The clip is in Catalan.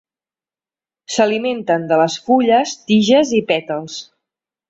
S'alimenten de les fulles, tiges i pètals.